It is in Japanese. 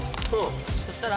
そしたら。